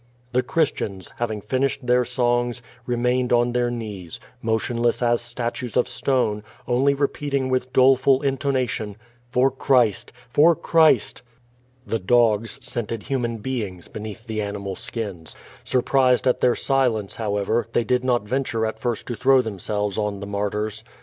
The Christians, having finished their songs, remained on their knees, motionless as statues of stone, only repeating with doleful intonation, 'Tor Christ! For Christ!" The dogs scented human beings beneath the animal skinfl. Sur pr^ed at their silence, however, they did not venture at first to throw themselyes on the martyrs.